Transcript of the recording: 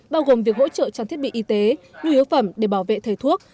bao gồm việc hỗ trợ trang thiết bị y tế nhu yếu phẩm để bảo vệ thầy thuốc